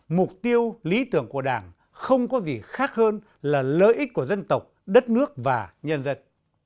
mục tiêu lý tưởng của đảng không có gì khác hơn là lợi ích của dân tộc đất nước và nhân dân